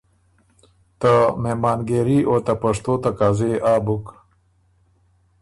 ته مهمان ګېري او ته پشتو تقاضۀ يې آ بُک